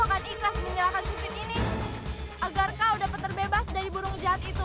akan ikhlas menjalankan covid ini agar kau dapat terbebas dari burung jahat itu